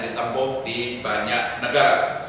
ditempuh di banyak negara